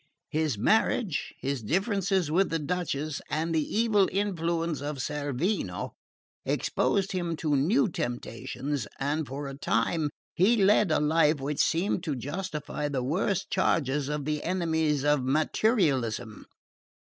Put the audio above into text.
His marriage, his differences with the Duchess, and the evil influence of Cerveno, exposed him to new temptations, and for a time he led a life which seemed to justify the worst charges of the enemies of materialism.